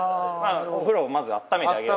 お風呂をまず温めてあげる。